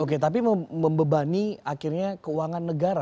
oke tapi membebani akhirnya keuangan negara